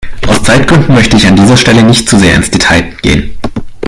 Aus Zeitgründen möchte ich an dieser Stelle nicht zu sehr ins Detail gehen.